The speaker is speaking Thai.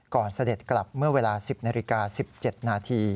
ก่อนเสด็จกลับเมื่อเวลา๑๐๑๗น